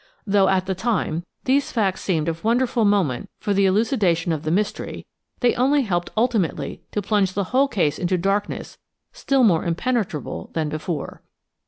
Though, at the time, these facts seemed of wonderful moment for the elucidation of the mystery, they only helped ultimately to plunge the whole case into darkness still more impenetrable than before.